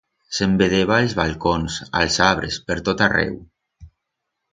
Se'n vedeba a'ls balcons, a'ls abres, per tot arreu.